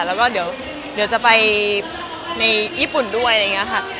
แล้วก็เดี๋ยวจะไปในญี่ปุ่นด้วยอะไรอย่างนี้ค่ะ